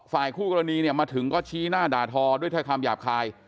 ฝ่ายคู่กรณีเนี่ยมาถึงก็ชี้หน้าด่าทอด้วยคำหยาบคาย